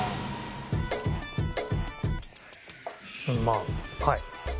まあはい。